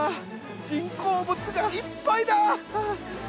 人工物がいっぱいだ。